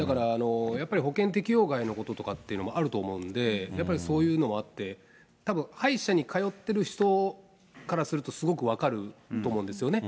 やっぱり保険適用外のこととかっていうのもあると思うんで、やっぱりそういうのもあって、たぶん歯医者に通ってる人からすると、すごく分かると思うんですよね。